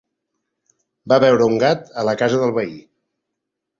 Va veure un gat a la casa del veí.